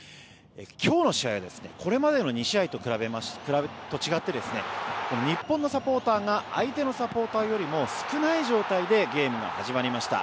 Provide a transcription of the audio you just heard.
今日の試合はこれまでの２試合と違って日本のサポーターが相手のサポーターよりも少ない状態でゲームが始まりました。